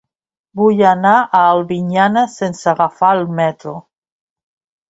Vull anar a Albinyana sense agafar el metro.